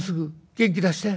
元気出して。